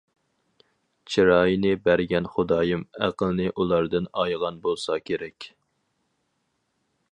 چىراينى بەرگەن خۇدايىم ئەقىلنى ئۇلاردىن ئايىغان بولسا كېرەك.